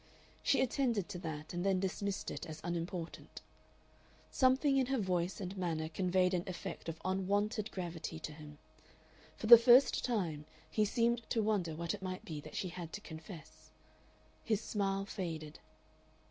She attended to that, and then dismissed it as unimportant. Something in her voice and manner conveyed an effect of unwonted gravity to him. For the first time he seemed to wonder what it might be that she had to confess. His smile faded.